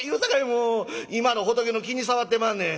もう今の仏の気に障ってまんねん」。